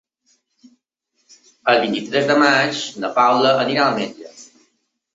El vint-i-tres de maig na Paula anirà al metge.